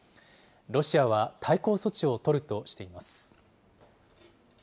ロシアは対抗措置を取るとしています。